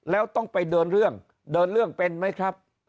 แล้วต้องไปเดินเรื่องเดินเรื่องเป็นไหมครับ